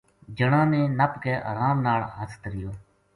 جنا نے نپ کے ارام ناڑ ہیٹھ دھریو